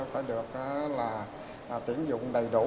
phải được tiễn dụng đầy đủ